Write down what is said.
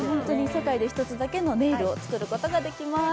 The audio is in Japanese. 世界で１つだけのネイルを作ることができます。